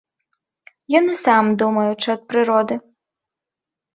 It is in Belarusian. Ён і сам думаючы ад прыроды.